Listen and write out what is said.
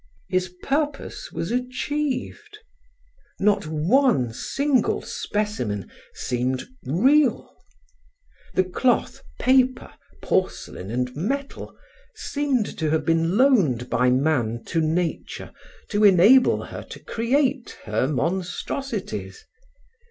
His purpose was achieved. Not one single specimen seemed real; the cloth, paper, porcelain and metal seemed to have been loaned by man to nature to enable her to create her monstrosities.